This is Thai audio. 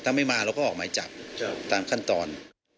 ถ้าไม่มาเราก็ออกหมายจับตามขั้นตอน